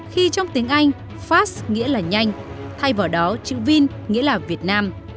khi trong tiếng anh fast nghĩa là nhanh thay vào đó chữ vin nghĩa là việt nam